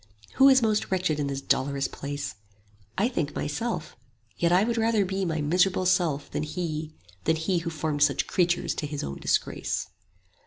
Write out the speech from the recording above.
20 "Who is most wretched in this dolorous place? I think myself; yet I would rather be My miserable self than He, than He Who formed such creatures to His own disgrace.